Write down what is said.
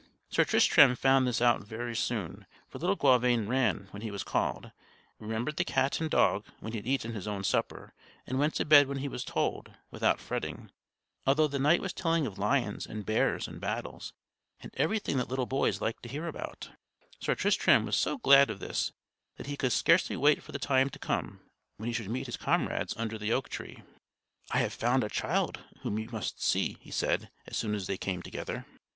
Sir Tristram found this out very soon, for little Gauvain ran when he was called, remembered the cat and dog when he had eaten his own supper, and went to bed when he was told, without fretting, although the knight was telling of lions and bears and battles, and everything that little boys like to hear about. Sir Tristram was so glad of this that he could scarcely wait for the time to come when he should meet his comrades under the oak tree. [Illustration: And the mother called from the kitchen 'Is that my sunbeam coming home to roost?'] "I have found a child whom you must see," he said, as soon as they came together.